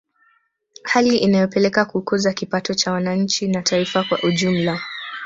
Hali inayopelekea kukuza kipato cha wananchi na taifa kwa ujumla